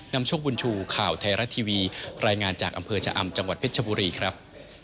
นำโชคบุญชูข่าวไทยรัฐทีวีรายงานจากอำเภอชะอำจังหวัดเพชรชบุรีครับ